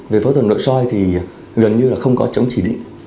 về phẫu thuật nội soi thì gần như là không có chống chỉ định